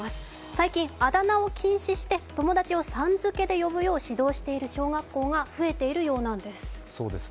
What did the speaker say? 最近あだ名を禁止して、友達をさん付けで呼んでいる小学校が増えているようなんです。